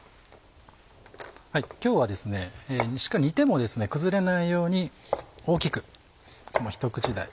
今日はしっかり煮ても崩れないように大きくひと口大。